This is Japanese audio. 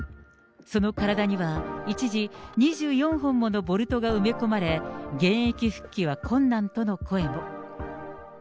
その体には一時、２４本ものボルトが埋め込まれ、現役復帰は困難との声も。